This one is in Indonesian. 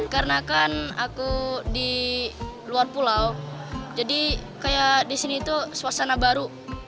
karena kan aku di luar pulau jadi kayak di sini tuh suasana baru